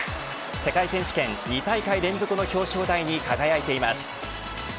世界選手権２大会連続の表彰台に輝いています。